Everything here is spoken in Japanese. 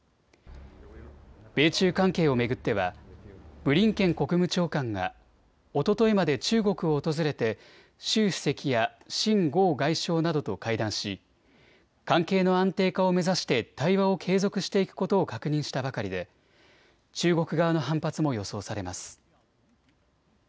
米中関係を巡ってはブリンケン国務長官がおとといまで中国を訪れて習主席や秦剛外相などと会談し関係の安定化を目指して対話を継続していくことを確認したばかりで中国側の反発も予想されます。